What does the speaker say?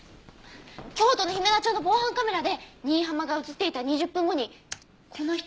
京都の姫菜町の防犯カメラで新浜が映っていた２０分後にこの人が。